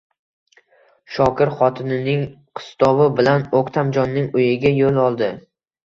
Shokir xotinining qistovi bilan O`ktamjonning uyiga yo`l oldi